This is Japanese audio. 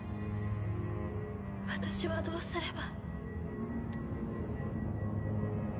私はどうすれば？